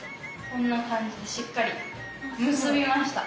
こんな感じでしっかり結びました。